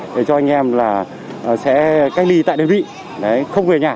để cho anh em là sẽ cách ly tại đơn vị không về nhà